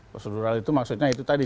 prosedural itu maksudnya itu tadi